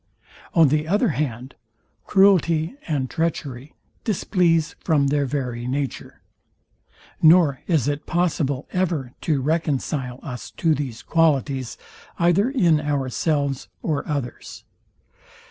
On the other hand cruelty and treachery displease from their very nature; nor is it possible ever to reconcile us to these qualities, either in ourselves or others.